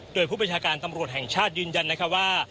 โดยผู้บัญชาการตำรวจแห่งชาติยืนยันนะคะว่า